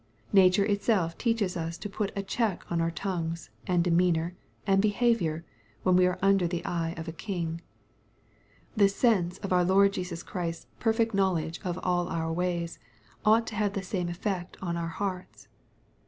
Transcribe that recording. Nature itself teaches us to put a check on our tongues, and demeanor, and behavior, when we are under the eye of a king. The sense of our Lord Jesus Christ's perfect knowledge of all our ways, ought to have the same effect upon our hearts.